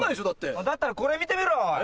だったらこれ見てみろ！